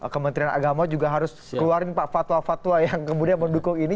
kementerian agama juga harus keluarin pak fatwa fatwa yang kemudian mendukung ini